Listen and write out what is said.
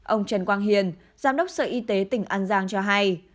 ông trần quang hiền giám đốc sở y tế tỉnh an giang cho hay